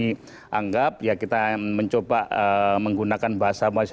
kami anggap ya kita mencoba menggunakan bahasa malaysia